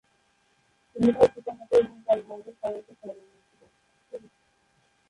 তিনি তার পিতা-মাতা এবং তাঁর ভাইদের সবাইকে ছাড়িয়ে গিয়েছিলেন।